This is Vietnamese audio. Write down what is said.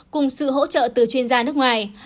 cùng sự hỗ trợ từ chuyên gia nước ngoài